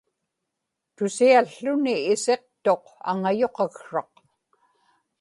tusiałłuni isiqtuq aŋuyuqaksraq